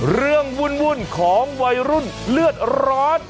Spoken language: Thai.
เรื่องวุ่นของวัยรุ่นเลือดร้อน